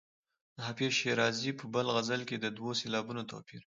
د حافظ شیرازي په بل غزل کې د دوو سېلابونو توپیر.